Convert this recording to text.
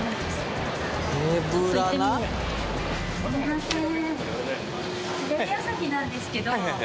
すみません。